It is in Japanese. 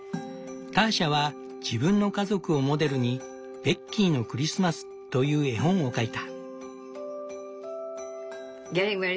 ターシャは自分の家族をモデルに「ベッキーのクリスマス」という絵本を描いた。